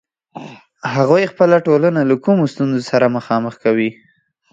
هغوی خپله ټولنه له کومو ستونزو سره مخامخ کوي.